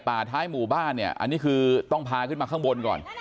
ท้ายหมู่บ้านเนี่ยอันนี้คือต้องพาขึ้นมาข้างบนก่อน